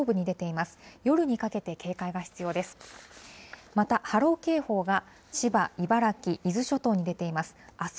また波浪警報が、千葉、茨城、伊豆諸島に出ています。